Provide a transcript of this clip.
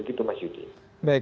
begitu mas yudi